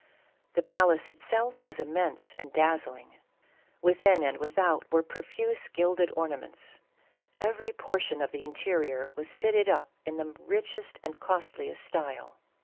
The palace itself was immense and dazzling ; within and without were pro fuse gilded ornaments. Every portion of the interior was fitted up in the richest and costliest style.